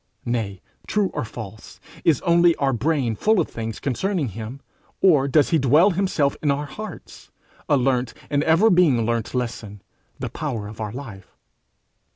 Nay, true or false, is only our brain full of things concerning him, or does he dwell himself in our hearts, a learnt, and ever being learnt lesson, the power of our life?